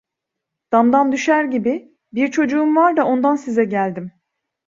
Damdan düşer gibi: "Bir çocuğum var da ondan size geldim!"